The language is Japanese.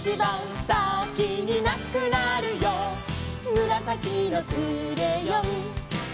「むらさきのクレヨン」